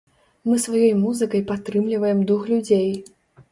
Мы сваёй музыкай падтрымліваем дух людзей.